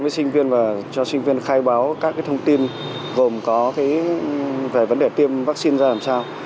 với sinh viên và cho sinh viên khai báo các thông tin gồm có về vấn đề tiêm vaccine ra làm sao